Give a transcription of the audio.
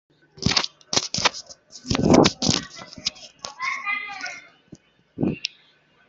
Come en especial grande insectos, que captura en el suelo o en la vegetación.